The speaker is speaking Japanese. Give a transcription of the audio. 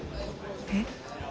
えっ。